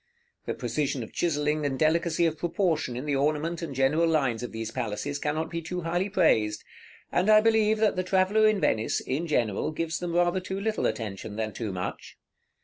The precision of chiselling and delicacy of proportion in the ornament and general lines of these palaces cannot be too highly praised; and I believe that the traveller in Venice, in general, gives them rather too little attention than too much.